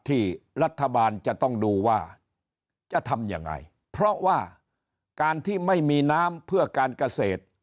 ที่รัฐบาลจะต้องดูว่าจะทำยังไงเพราะว่าการที่ไม่มีน้ำเพื่อการเกษตร